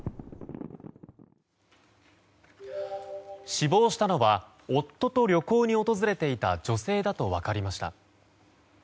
死亡したのは夫と旅行に訪れていた女性だと分かりました。